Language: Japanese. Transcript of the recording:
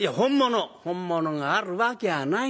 「本物があるわきゃないの。